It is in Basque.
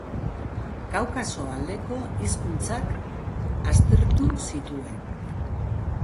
Kaukaso aldeko hizkuntzak aztertu zituen.